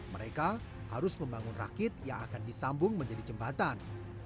mereka harus membangun rakit yang akan disambung menjadi jembatan